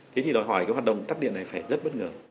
thế thì đòi hỏi cái hoạt động tắt điện này phải rất bất ngờ